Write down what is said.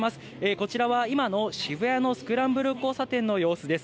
こちらは今の渋谷のスクランブル交差点の様子です。